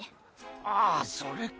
ああそれか。